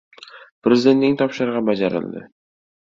Prezidentning topshirig‘i bajarildi